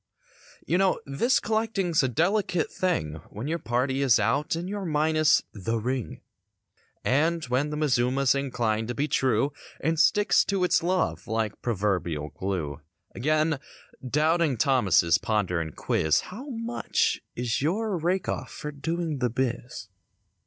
You know this collecting's a delicate thing When your party is out and your minus "the ring;" And, when the mazuma's inclined to be true And sticks to its love like proverbial glue. Again, doubting Thomases ponder and quiz— "How much is your rake off for doing the biz?"